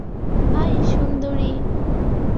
High, Sundari.